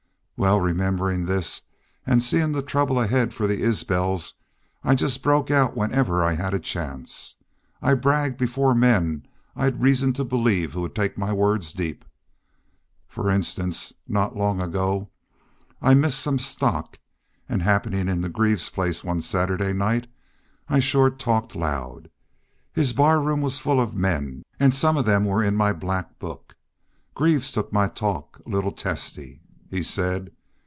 Wal, rememberin' this an' seein' the trouble ahaid for the Isbels, I just broke out whenever I had a chance. I bragged before men I'd reason to believe would take my words deep. For instance, not long ago I missed some stock, an', happenin' into Greaves's place one Saturday night, I shore talked loud. His barroom was full of men an' some of them were in my black book. Greaves took my talk a little testy. He said.